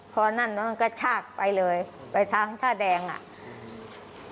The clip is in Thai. พอนั่นเนอะมันก็ชากไปเลยไปทางท่าแดงอ่ะ